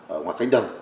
ở ngoài cánh đầm